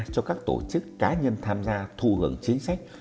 cho các tổ chức cá nhân tham gia thù hưởng chính sách